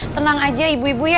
tenang aja ibu ibu ya